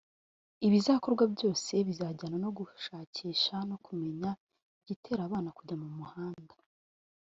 Ibizakorwa byose bizajyana no gushakisha no kumenya igitera abana kujya mu muhanda